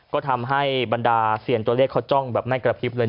ก็ทำให้บรรดาเซียนตัวเลขเขาจ้องแบบไม่กระพริบเลย